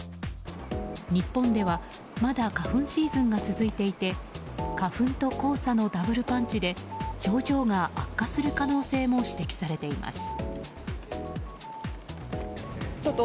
日本ではまだ花粉シーズンが続いていて花粉と黄砂のダブルパンチで症状が悪化する可能性も指摘されています。